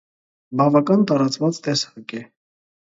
Բավական տարածված տեսակ է։